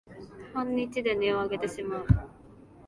半日で音をあげてしまう